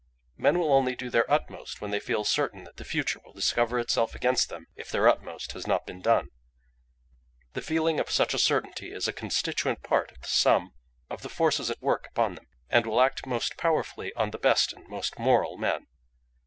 Men will only do their utmost when they feel certain that the future will discover itself against them if their utmost has not been done. The feeling of such a certainty is a constituent part of the sum of the forces at work upon them, and will act most powerfully on the best and most moral men.